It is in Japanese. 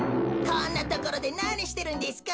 こんなところでなにしてるんですか？